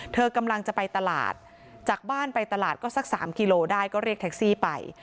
เธอกำลังจะไปตลาดจากบ้านไปตลาดก็สัก๓กิโลได้ก็เรียกแท็กซี่ไป